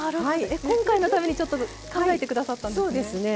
今回のためにちょっと考えて下さったんですね。